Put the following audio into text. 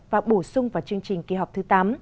và bổ sung vào chương trình kỳ họp thứ tám